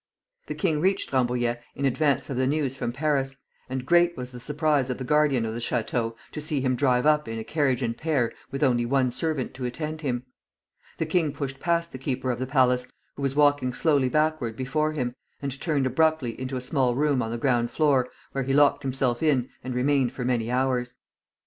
The king reached Rambouillet in advance of the news from Paris, and great was the surprise of the guardian of the Château to see him drive up in a carriage and pair with only one servant to attend him. The king pushed past the keeper of the palace, who was walking slowly backward before him, and turned abruptly into a small room on the ground floor, where he locked himself in and remained for many hours.